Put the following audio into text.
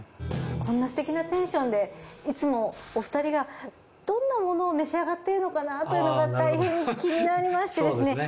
こんなすてきなペンションでいつもお二人がどんなものを召し上がっているのかなというのがたいへん気になりましてですね